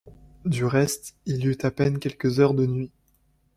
Du reste, il y eut à peine quelques heures de nuit.